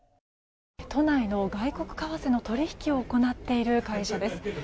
都内の外国為替の取引を行っている会社です。